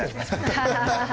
ハハハハ！